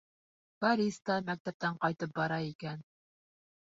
Борис та мәктәптән ҡайтып бара икән.